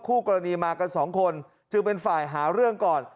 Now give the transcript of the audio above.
คู่กรณีมากันสองคนจึงเป็นฝ่ายหาเรื่องก่อน